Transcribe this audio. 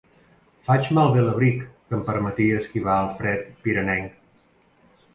Faig malbé l'abric que em permetia esquivar el fred pirenenc.